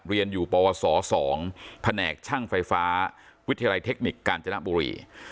เรียนอยู่ปวส๒แผนกช่างไฟฟ้าวิทยาลัยเทคนิคกาญจนบุรี